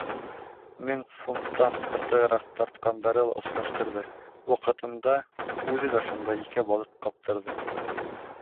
Мең фунттан артығыраҡ тартҡандары ла осраштырҙы, ваҡытында үҙе лә шундай ике балыҡ ҡаптырҙы.